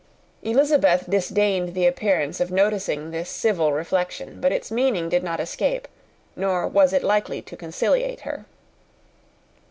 Elizabeth disdained the appearance of noticing this civil reflection, but its meaning did not escape, nor was it likely to conciliate her.